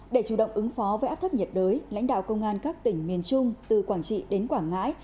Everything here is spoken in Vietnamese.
để chủ động ứng phó với áp thấp nhiệt đới lãnh đạo công an các tỉnh miền trung từ quảng trị đến quảng ngãi